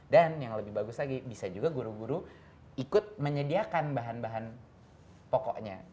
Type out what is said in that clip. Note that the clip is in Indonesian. dan yang lebih bagus lagi bisa juga guru guru ikut menyediakan bahan bahan pokoknya